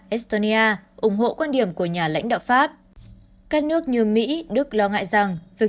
estonia ủng hộ quan điểm của nhà lãnh đạo pháp các nước như mỹ đức lo ngại rằng việc